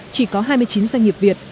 chỉ có hai mươi chín doanh nghiệp việt